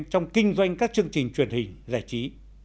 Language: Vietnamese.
trong kinh doanh các chương trình truyền hình giải trí